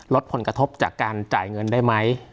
ลดผลกระทบจากการจ่ายเงินได้ไหม